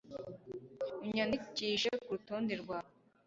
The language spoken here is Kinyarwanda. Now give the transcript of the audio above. unyandikishe kurutonde rwawe